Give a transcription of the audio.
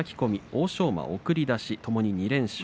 欧勝馬、送り出し、ともに２連勝。